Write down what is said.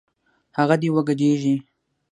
هغه دې وګډېږي